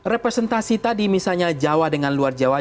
representasi tadi misalnya jawa dengan luar jawa